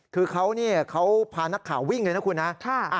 คือเขาพานักข่าววิ่งเลยนะคุณนะ